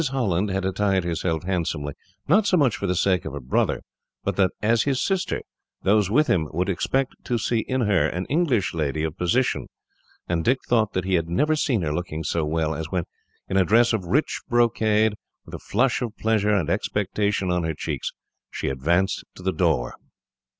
Holland had attired herself handsomely, not so much for the sake of her brother, but that, as his sister, those with him would expect to see in her an English lady of position; and Dick thought that he had never seen her looking so well as when, in a dress of rich brocade, and with a flush of pleasure and expectation on her cheeks, she advanced to the door.